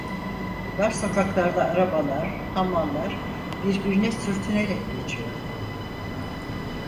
Dar sokaklarda arabalar, hamallar birbirine sürtünerek geçiyordu.